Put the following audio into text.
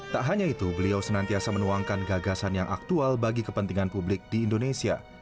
tak hanya itu beliau senantiasa menuangkan gagasan yang aktual bagi kepentingan publik di indonesia